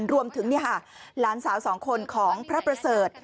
รวมถึงเนี่ยฮะล้านสาวสองคนของพระเพราะเสริฐ